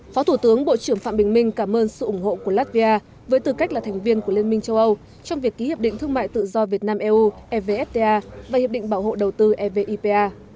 phó thủ tướng bộ trưởng phạm bình minh cảm ơn sự ủng hộ của latvia với tư cách là thành viên của liên minh châu âu trong việc ký hiệp định thương mại tự do việt nam eu evfta và hiệp định bảo hộ đầu tư evipa